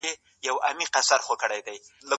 ايا ته درسونه اورې